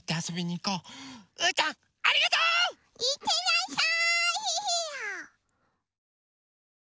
いってらっしゃい！